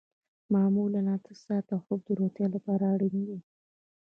معمولاً اته ساعته خوب د روغتیا لپاره اړین دی